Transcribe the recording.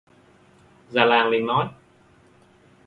Già làng liền nói